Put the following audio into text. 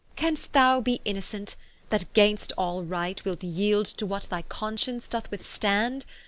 Canst thou be innocent, that gainst all right, Wilt yeeld to what thy conscience doth withstand?